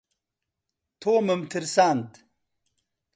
تۆمم ترساند.